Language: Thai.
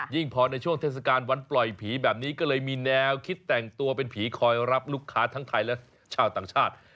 พอในช่วงเทศกาลวันปล่อยผีแบบนี้ก็เลยมีแนวคิดแต่งตัวเป็นผีคอยรับลูกค้าทั้งไทยและชาวต่างชาติ